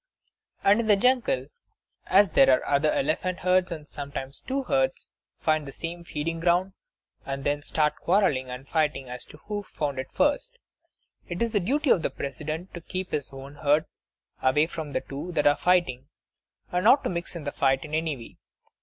And in the jungle, as there are other elephant herds and sometimes two herds find the same feeding ground, and then start quarrelling and fighting as to who found it first, it is the duty of the President to keep his own herd away from the two that are fighting, and not mix in the fight in any way.